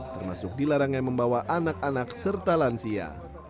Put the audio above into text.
termasuk dilarangnya membawa anak anak serta lansia